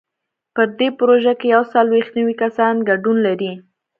په دې پروژه کې یو څلوېښت نوي کسان ګډون لري.